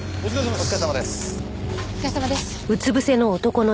お疲れさまです。